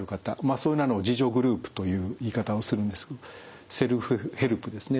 そんなのを自助グループという言い方をするんですけどセルフヘルプですね。